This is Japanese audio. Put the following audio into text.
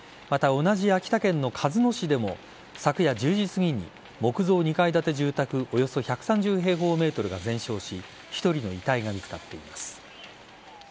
また、同じ秋田県の鹿角市でも昨夜１０時すぎに木造２階建て住宅およそ１３０平方ｍが全焼し１人の遺体が見つかっています。